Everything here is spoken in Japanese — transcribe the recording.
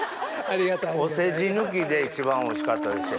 お世辞抜きで１番おいしかったですし。